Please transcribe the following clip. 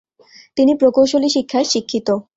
তিনি প্রকৌশলী শিক্ষায় শিক্ষিত।